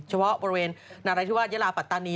เฉพาะบริเวณนาราธิวาสยาลาปัตตานี